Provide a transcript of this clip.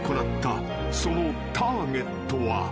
［そのターゲットは］